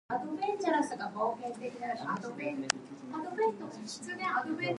There is a direct train link from the airport to downtown.